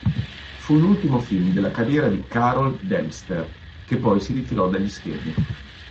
Fu l'ultimo film della carriera di Carol Dempster che poi si ritirò dagli schermi.